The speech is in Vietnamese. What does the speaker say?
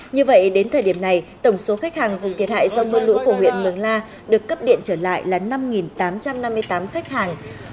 như vậy đến thời điểm này tổng số khách hàng vùng thiệt hại do mưa lũ của huyện mường la được cấp điện trở lại là năm tám trăm năm mươi tám khách hàng